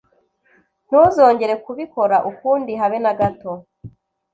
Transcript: Ntuzongere kubikora ukundi habe n'agato.